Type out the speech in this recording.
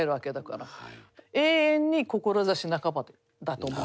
永遠に志半ばだと思ってます。